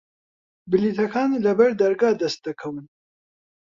بلیتەکان لە بەردەرگا دەست دەکەون.